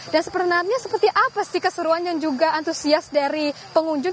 dan sebenarnya seperti apa sih keseruan yang juga antusias dari pengunjung